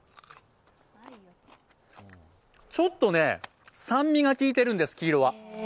ちょっと酸味がきいているんです、黄色は。